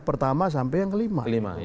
pertama sampai yang kelima